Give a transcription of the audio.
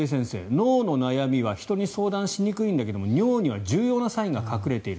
尿の悩みは相談しにくいんだけど尿には重要なサインが隠れている。